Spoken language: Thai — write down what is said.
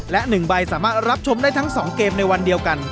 และ๑ใบสามารถรับชมได้ทั้ง๒เกมในวันเดียวกัน